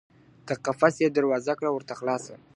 د قفس یې دروازه کړه ورته خلاصه .